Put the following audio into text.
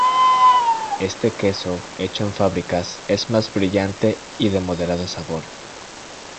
Este queso hecho en fábricas es más brillante y de moderado sabor.